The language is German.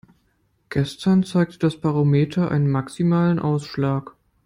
Gestern zeigte das Barometer einen maximalen Ausschlag.